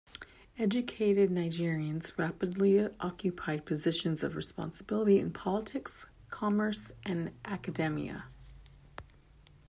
Educated Nigerians rapidly occupied positions of responsibility in politics, commerce and academia.